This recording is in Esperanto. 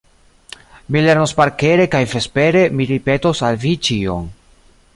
Mi lernos parkere kaj vespere mi ripetos al vi ĉion.